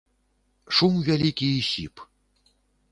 Шум вялікі і сіп.